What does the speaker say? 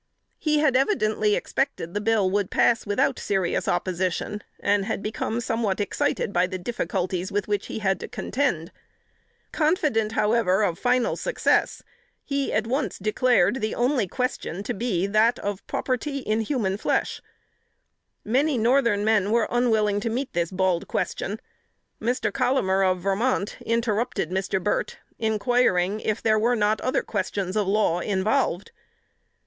He had evidently expected the bill would pass without serious opposition, and had become somewhat excited by the difficulties with which he had to contend; confident however of final success, he at once declared the only question to be, that of property in human flesh. Many Northern men were unwilling to meet this bald question. Mr. Collamer, of Vermont, interrupted Mr. Burt, inquiring, if there were not other questions of law involved?